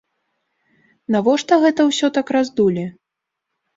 Навошта гэта ўсё так раздулі?